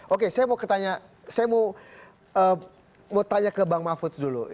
oke saya mau tanya ke bang mahfud dulu